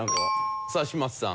さあ嶋佐さん。